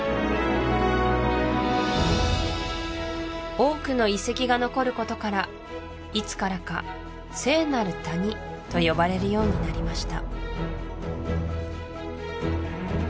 多くの遺跡が残ることからいつからか聖なる谷と呼ばれるようになりました